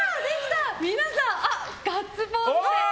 皆さん、ガッツポーズが！